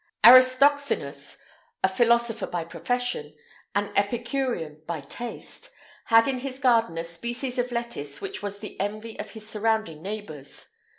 Aristoxenus, a philosopher by profession, an epicurean by taste, had in his garden a species of lettuce which was the envy of his surrounding neighbours.